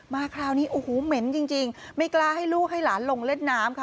คราวนี้โอ้โหเหม็นจริงไม่กล้าให้ลูกให้หลานลงเล่นน้ำค่ะ